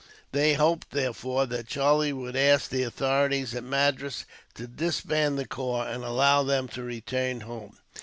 They hoped, therefore, that Charlie would ask the authorities at Madras to disband the corps, and allow them to return home.